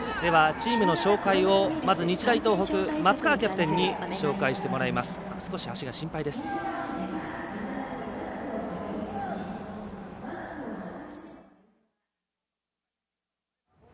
チームの紹介を日大東北松川キャプテンに紹介してもらいます。